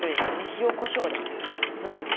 塩、こしょうのみ。